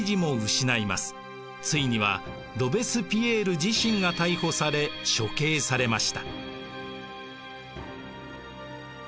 ついにはロベスピエール自身が逮捕され処刑されました。